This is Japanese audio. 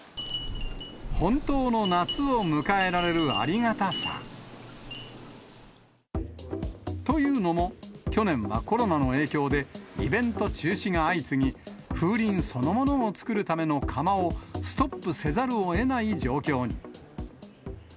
本当の夏を迎えられるありがたさ。というのも、去年はコロナの影響で、イベント中止が相次ぎ、風鈴そのものを作るための窯をストップせざるをえない状況に。